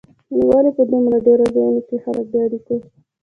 نو ولې په دومره ډېرو ځایونو کې خلک د اړیکو